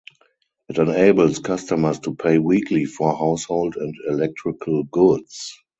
It enables customers to pay weekly for household and electrical goods.